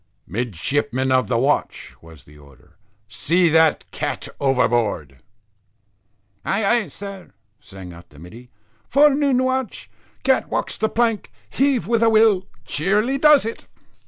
"Midshipman of the watch," was the order, "see that cat overboard." "Ay ay, sir," sang out the middy. "Forenoon watch, cat walks the plank, heave with a will cheerily does it."